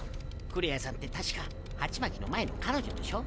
クレアさんって確かハチマキの前の彼女でしょ？